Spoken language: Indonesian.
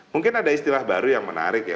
mungkin ada istilah baru yang menarik ya